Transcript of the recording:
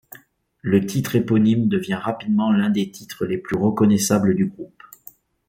Le titre éponyme devient rapidement l'un des titres les plus reconnaissables du groupe.